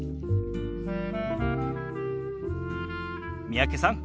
三宅さん